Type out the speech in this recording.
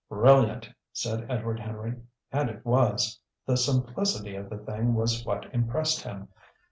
"Brilliant!" said Edward Henry. And it was! The simplicity of the thing was what impressed him.